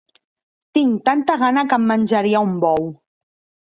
Tinc tanta gana que em menjaria un bou.